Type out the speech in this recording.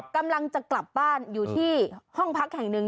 กำลังจะกลับบ้านอยู่ที่ห้องพักแห่งหนึ่ง